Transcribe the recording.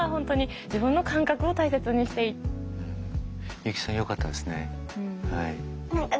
ユキさんよかったですね。